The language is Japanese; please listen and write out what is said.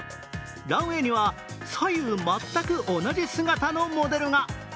ランウエーには左右全く同じ姿のモデルが。